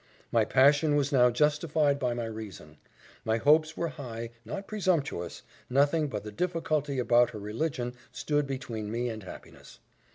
My passion was now justified by my reason: my hopes were high, not presumptuous nothing but the difficulty about her religion stood between me and happiness.